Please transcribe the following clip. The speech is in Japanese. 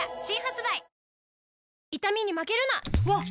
わっ！